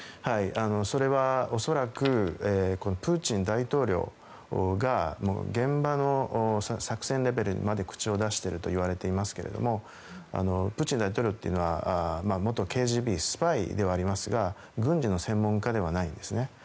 それは、恐らくプーチン大統領が現場の作戦レベルにまで口を出しているといわれていますがプーチン大統領というのは元ＫＧＢ、スパイではありますが軍事の専門家ではないんですね。